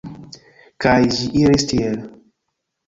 Kaj ĝi iris tiel.